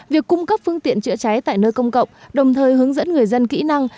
việc cung cấp phương tiện chữa cháy tại nơi công cộng đồng thời hướng dẫn người dân kỹ năng